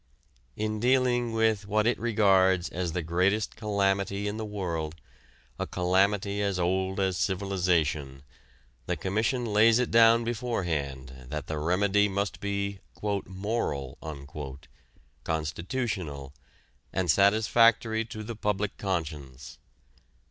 In dealing with what it regards as the greatest calamity in the world, a calamity as old as civilization, the Commission lays it down beforehand that the remedy must be "moral," constitutional, and satisfactory to the public conscience.